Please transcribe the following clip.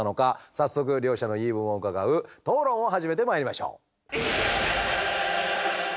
早速両者の言い分を伺う討論を始めてまいりましょう！